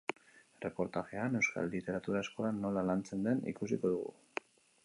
Erreportajean, euskal literatura eskolan nola lantzen den ikusiko dugu.